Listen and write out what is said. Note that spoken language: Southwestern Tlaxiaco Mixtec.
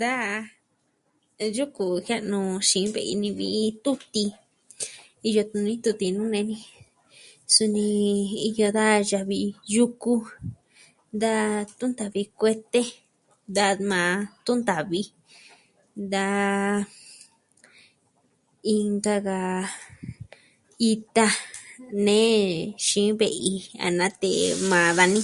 Da yuku jia'nu xiin ve'i ni vi iin tutin. iyo tuni tutin nuu nee ni jen suni iyo da yavi yuku. Da tunta'vi kuete, da maa tunta'vi. Da... inka ka... ita, nee xiin ve'i a natee maa dani.